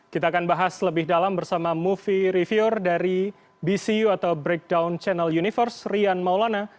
kita akan bahas lebih dalam bersama movie reviewre dari bcu atau breakdown channel universe rian maulana